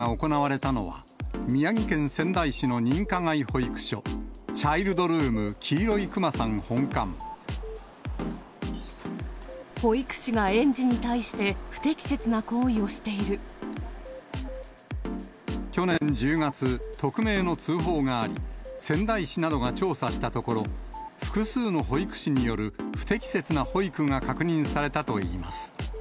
昨夜、保護者説明会が行われたのは、宮城県仙台市の認可外保育所、チャイルドルームきいろいくまさ保育士が園児に対して、去年１０月、匿名の通報があり、仙台市などが調査したところ、複数の保育士による不適切な保育が確認されたといいます。